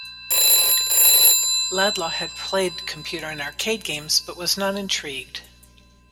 Laidlaw had played computer and arcade games, but was not intrigued.